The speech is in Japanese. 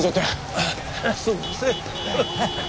あっすんません。